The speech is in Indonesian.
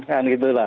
kan gitu lah